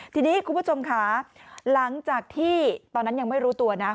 ทีนี้คุณผู้ชมค่ะหลังจากที่ตอนนั้นยังไม่รู้ตัวนะ